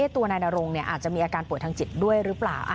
ตัวนายนรงอาจจะมีอาการป่วยทางจิตด้วยหรือเปล่า